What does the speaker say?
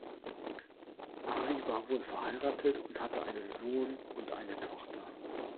Ari war wohl verheiratet und hatte einen Sohn und eine Tochter.